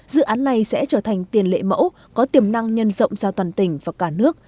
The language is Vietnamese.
dự án này sẽ trở thành tiền lệ mẫu có tiềm năng nhân rộng ra toàn tỉnh và cả nước